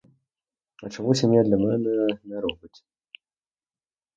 А чому сім'я для мене не робить?